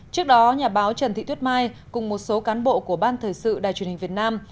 trước đó nhà báo trần thị tuyết mai cùng một số cán bộ của ban thời sự đài truyền hình việt nam